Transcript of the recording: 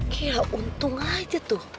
gila untung aja tuh